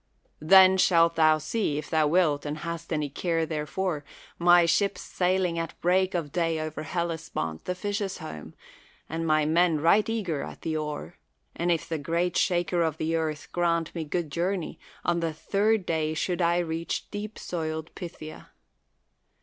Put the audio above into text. Then shalt thou see, if thou wilt and hast any care therefor, my ships sailing at break of day over Hellespont, the fishes' home, and my men right eager at the oar; and if the great Shaker of the earth grant me good journey, on the third day should I reach deep soiled Phthia.